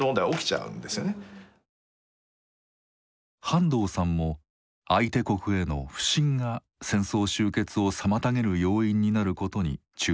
半藤さんも相手国への「不信」が戦争終結を妨げる要因になることに注目していました。